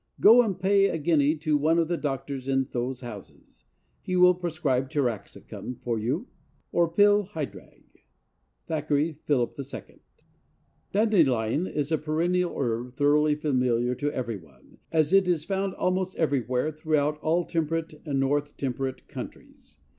Go and pay a guinea to one of the doctors in those houses.... He will prescribe taraxacum for you, or pil. hydrarg.—Thackeray, Philip, ii. Dandelion is a perennial herb thoroughly familiar to everyone, as it is found almost everywhere throughout all temperate and north temperate countries.